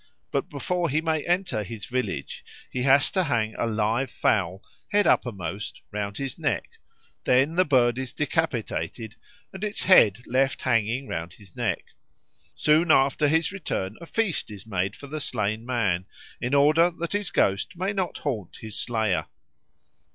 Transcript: But before he may enter his village he has to hang a live fowl, head uppermost, round his neck; then the bird is decapitated and its head left hanging round his neck. Soon after his return a feast is made for the slain man, in order that his ghost may not haunt his slayer.